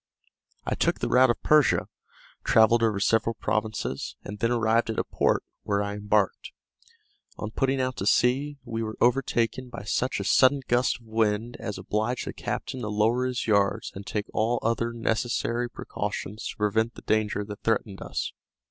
I took the route of Persia, travelled over several provinces, and then arrived at a port, where I embarked. On putting out to sea, we were overtaken by such a sudden gust of wind as obliged the captain to lower his yards and take all other necessary precautions to prevent the danger that threatened us.